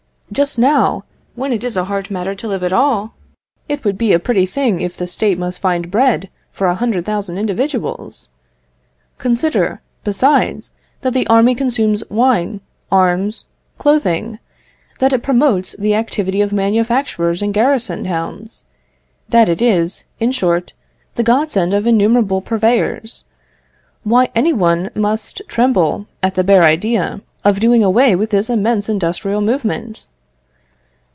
Just now, when it is a hard matter to live at all, it would be a pretty thing if the State must find bread for a hundred thousand individuals? Consider, besides, that the army consumes wine, arms, clothing that it promotes the activity of manufactures in garrison towns that it is, in short, the godsend of innumerable purveyors. Why, any one must tremble at the bare idea of doing away with this immense industrial movement."